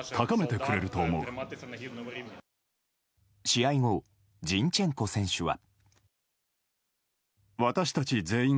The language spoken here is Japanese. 試合後、ジンチェンコ選手は。